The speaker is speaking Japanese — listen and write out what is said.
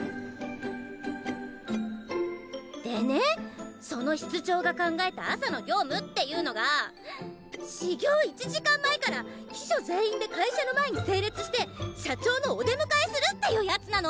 でねその室長が考えた朝の業務っていうのが始業１時間前から秘書全員で会社の前に整列して社長のお出迎えするっていうやつなの。